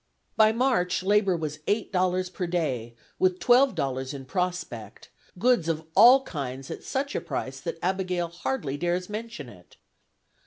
By March, labor was eight dollars per day, with twelve dollars in prospect; goods of all kinds at such a price that Abigail hardly dares mention it.